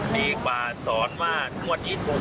ละที่ยังจริง